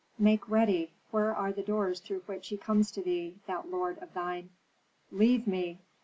"Make ready! Where are the doors through which he comes to thee that lord of thine?" "Leave me!"